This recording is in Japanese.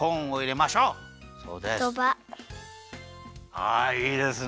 はいいいですね。